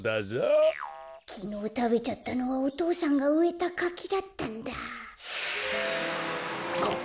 こころのこえきのうたべちゃったのはお父さんがうえたかきだったんだ。